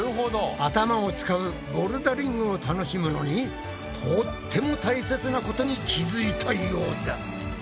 頭を使うボルダリングを楽しむのにとっても大切なことに気付いたようだ。